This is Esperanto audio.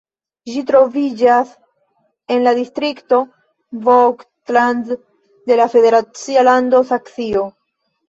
Ĝi troviĝas en la distrikto Vogtland de la federacia lando Saksio.